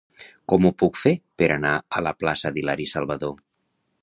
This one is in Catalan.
Com ho puc fer per anar a la plaça d'Hilari Salvadó?